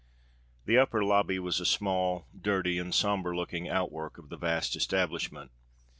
The upper lobby was a small, dirty, and sombre looking outwork of the vast establishment.